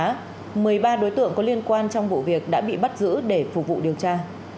trước đó một mươi ba đối tượng có liên quan trong vụ việc đã bị bắt giữ để phục vụ điều tra